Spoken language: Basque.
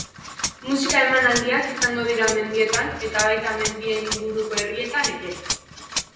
Musika emanaldiak izango dira mendietan eta baita mendien inguruko herrietan ere.